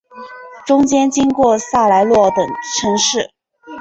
中间经过萨莱诺等城市。